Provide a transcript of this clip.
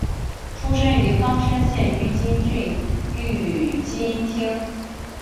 出身于冈山县御津郡御津町。